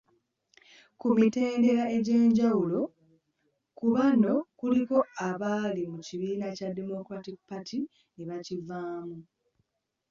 Ku mitendera egy'enjawulo, ku bano kuliko abaali mu kibiina kya Democratic Party ne bakivaamu.